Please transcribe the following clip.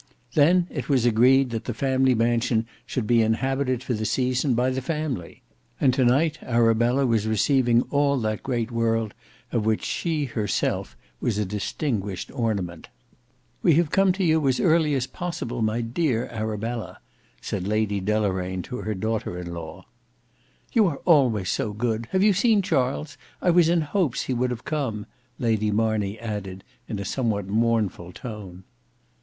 Then it was agreed that the family mansion should be inhabited for the season by the family; and to night Arabella was receiving all that great world of which she herself was a distinguished ornament. "We come to you as early as possible my dear Arabella," said Lady Deloraine to her daughter in law. "You are always so good! Have you seen Charles? I was in hopes he would have come," Lady Marney added in a somewhat mournful tone.